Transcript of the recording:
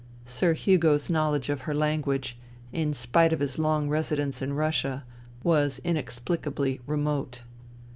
Sir Hugo's knowledge of her language, in spite of his long residence in Russia, was inexplicably remote.